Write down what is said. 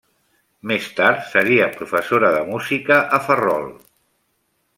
Més tard seria professora de música a Ferrol.